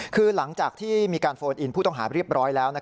คือหลังจากที่มีการโฟนอินผู้ต้องหาเรียบร้อยแล้ว